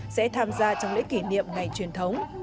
sẽ tham gia trong lễ kỷ niệm ngày truyền thống